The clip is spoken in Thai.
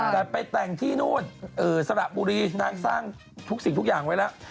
แต่ไปแต่งที่นู่นสระบุรีนางสร้างทุกสิ่งทุกอย่างไว้แล้ว